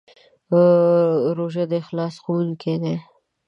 روژه د اخلاص ښوونکی دی.